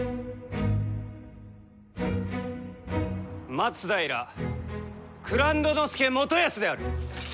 松平蔵人佐元康である！